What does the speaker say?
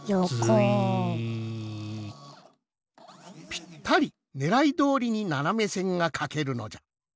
ぴったりねらいどおりにななめせんがかけるのじゃ。